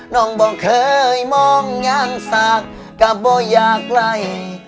น้องบ่เคยมองอย่างสากก็บ่อยากไหล